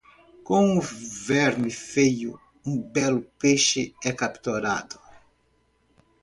Com um verme feio, um belo peixe é capturado.